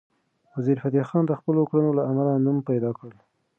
وزیرفتح خان د خپلو کړنو له امله نوم پیدا کړ.